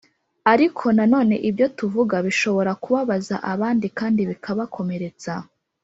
Ariko nanone ibyo tuvuga bishobora kubabaza abandi kandi bikabakomeretsa